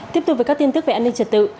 tiếp tục với các tin tức về an ninh trật tự